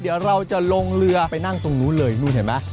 เดี๋ยวเราจะลงเรือไปนั่งตรงนู้นเลยนู่นเห็นไหม